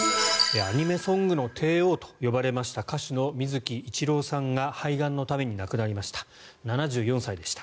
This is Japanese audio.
アニメソングの帝王と呼ばれました歌手の水木一郎さんが肺がんのため亡くなりました。